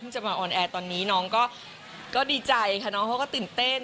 จะมาออนแอร์ตอนนี้น้องก็ดีใจค่ะน้องเขาก็ตื่นเต้น